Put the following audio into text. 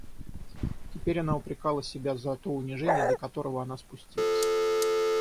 Теперь она упрекала себя за то унижение, до которого она спустилась.